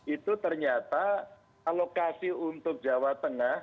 itu ternyata alokasi untuk jawa tengah